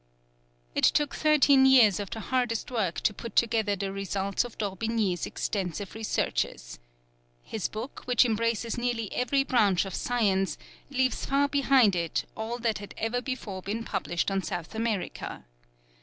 It took thirteen years of the hardest work to put together the results of D'Orbigny's extensive researches. His book, which embraces nearly every branch of science, leaves far behind it all that had ever before been published on South America.